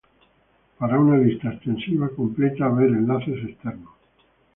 Para una lista extensiva completa ver enlaces externos.